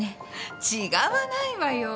違わないわよ。